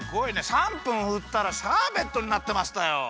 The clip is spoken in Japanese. ３分ふったらシャーベットになってましたよ。